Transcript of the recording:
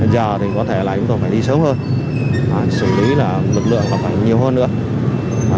giờ thì có thể là chúng tôi phải đi sớm hơn xử lý lực lượng phải nhiều hơn nữa